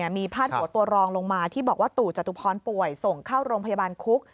มีพาดหัวตัวรองลงมาที่บอกว่าตู่จตุพรป่วยส่งเข้าโรงพยาบาลคุก